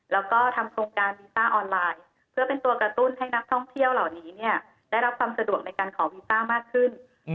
แล้วก็ทำโครงการวีซ่าออนไลน์เพื่อเป็นตัวกระตุ้นให้นักท่องเที่ยวเหล่านี้เนี่ยได้รับความสะดวกในการขอวีซ่ามากขึ้น